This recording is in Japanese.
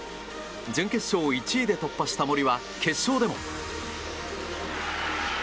準決勝を１位で突破した森は決勝でも。